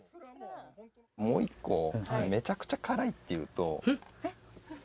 もう一個めちゃくちゃ辛いっていうと。